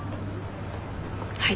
はい。